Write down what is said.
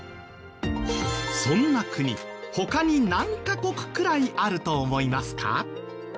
そんな国他に何カ国くらいあると思いますか？